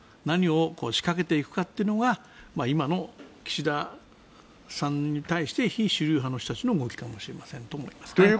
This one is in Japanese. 何を仕掛けていくかというのが今の岸田さんに対して非主流派の人たちの動きじゃないかと思いますね。